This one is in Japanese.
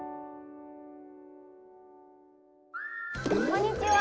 こんにちは！